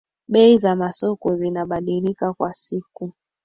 bei za masoko zinabadilika kwa siku